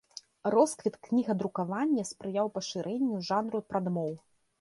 Росквіт кнігадрукавання спрыяў пашырэнню жанру прадмоў.